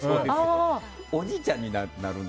おじいちゃんになるんだ。